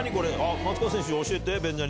松川選手教えて。